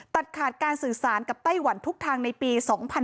ตัดขาดการสื่อสารกับไต้หวันทุกทางในปี๒๕๖๒